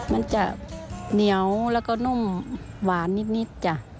มันจะเหนียวแล้วก็นุ่มหวานนิดจ้ะ